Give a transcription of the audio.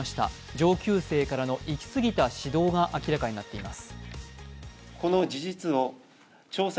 上級生からの行き過ぎた指導が話題になっています。